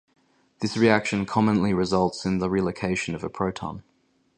This reaction commonly results in the relocation of a proton.